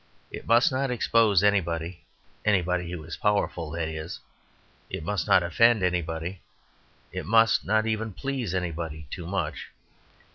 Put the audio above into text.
It must not expose anybody (anybody who is powerful, that is), it must not offend anybody, it must not even please anybody, too much.